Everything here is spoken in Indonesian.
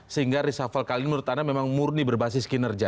sehingga reshuffle kali ini menurut anda memang murni berbasis kinerja